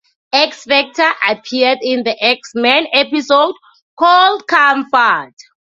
X-Factor appeared in the "X-Men" episode "Cold Comfort".